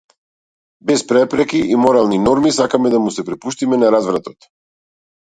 Без препреки и морални норми сакаме да му се препуштиме на развратот.